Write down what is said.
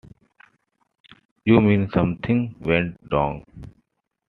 You mean, something went wrong?